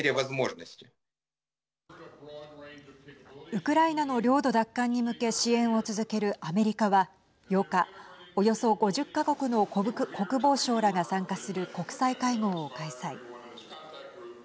ウクライナの領土奪還に向け支援を続けるアメリカは８日、およそ５０か国の国防相らが参加する国際会合を開催。